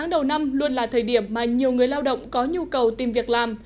nó luôn là thời điểm mà nhiều người lao động có nhu cầu tìm việc làm